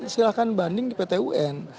silahkan banding di pt un